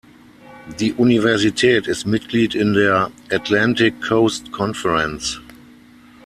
Die Universität ist Mitglied in der "Atlantic Coast Conference".